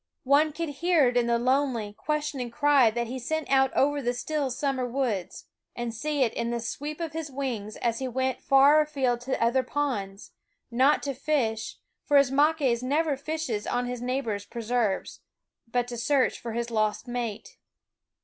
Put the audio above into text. One could hear it in the lonely, questioning cry that he sent out over the still summer woods; and see it in the sweep of his wings as he went far afield to other ponds not to fish, for Ismaques never fishes on his neighbor's pre serves, but to search for his lost mate.